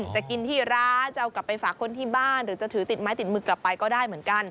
จะกินที่ร้านจะเอากลับไปฝากคนที่บ้านหรือจะถือติดไม้ติดมือกลับไปก็ได้เหมือนกัน